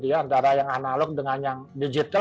antara yang analog dengan yang digital